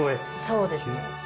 そうですね。